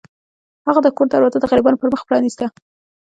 هغه د کور دروازه د غریبانو پر مخ پرانیسته.